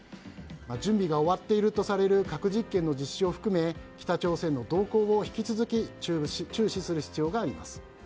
準備が終わっているとされる核実験の実施を含め北朝鮮の動向を引き続き注視する必要があります。